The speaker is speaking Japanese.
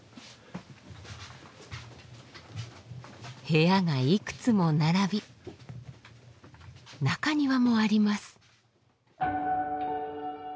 部屋がいくつも並び中庭もあります。